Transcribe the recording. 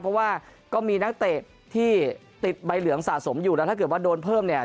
เพราะว่าก็มีนักเตะที่ติดใบเหลืองสะสมอยู่แล้วถ้าเกิดว่าโดนเพิ่มเนี่ย